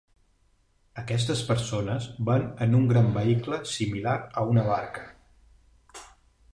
Aquestes persones van en un gran vehicle similar a una barca.